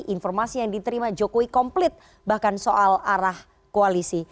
informasi yang diterima jokowi komplit bahkan soal arah koalisi